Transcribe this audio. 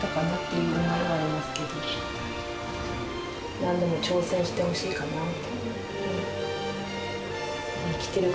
なんでも挑戦してほしいかなって。